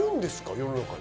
世の中に。